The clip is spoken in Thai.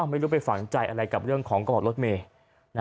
ไม่รู้ไปฝังใจอะไรกับเรื่องของกระบอกรถเมย์